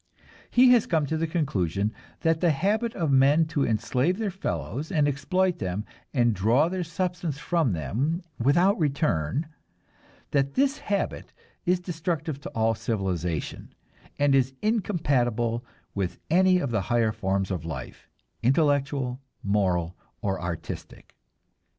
He has come to the conclusion that the habit of men to enslave their fellows and exploit them and draw their substance from them without return that this habit is destructive to all civilization, and is incompatible with any of the higher forms of life, intellectual, moral or artistic.